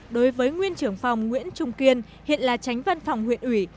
đối với nguyên trưởng phòng nguyễn trung kiên hiện là tránh văn phòng huyện ủy